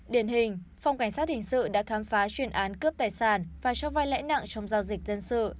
điển hình phòng cảnh sát hình sự đã khám phá chuyên án cướp tài sản và cho vai lãi nặng trong giao dịch dân sự